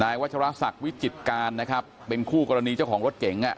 วัชรศักดิ์วิจิตการนะครับเป็นคู่กรณีเจ้าของรถเก๋งอ่ะ